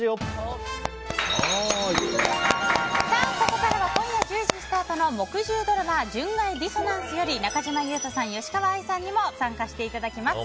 ここからは今夜１０時スタートの木１０ドラマ「純愛ディソナンス」より中島裕翔さん、吉川愛さんにも参加していただきます。